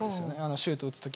シュートを打つ時。